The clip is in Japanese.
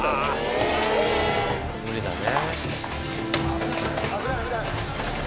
無理だね。